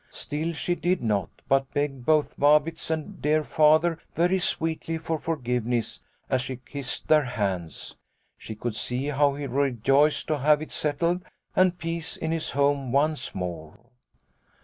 Still she did not, but begged both Vabitz and dear Father very sweetly for forgiveness as she kissed their hands. She could see how he rejoiced to have it settled and peace in his home once more."